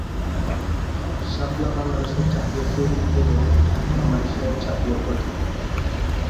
শাপলা বাংলাদেশের জাতীয় ফুল এবং বাংলাদেশের জাতীয় প্রতীক।